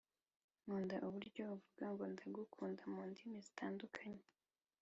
nkunda uburyo uvuga ngo "ndagukunda" mu ndimi zitandukanye